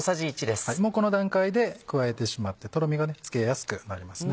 もうこの段階で加えてしまってとろみがつけやすくなりますね。